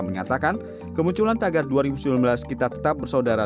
menyatakan kemunculan tagar dua ribu sembilan belas kita tetap bersaudara